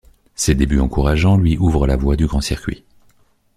Ses débuts encourageants lui ouvrent la voie du grand circuit.